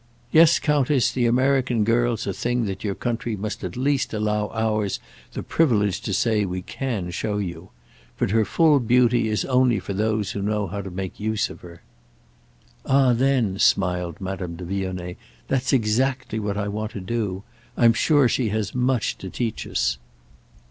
"Yes, Countess, the American girl's a thing that your country must at least allow ours the privilege to say we can show you. But her full beauty is only for those who know how to make use of her." "Ah then," smiled Madame de Vionnet, "that's exactly what I want to do. I'm sure she has much to teach us."